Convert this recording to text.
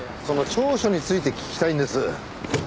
その調書について聞きたいんです。